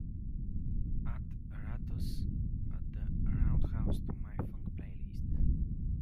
Add Rattus at the Roundhouse to my funk playlist.